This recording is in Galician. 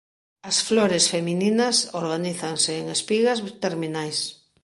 As flores femininas organízanse en espigas terminais.